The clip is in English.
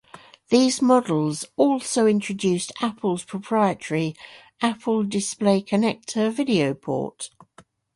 These models also introduced Apple's proprietary Apple Display Connector video port.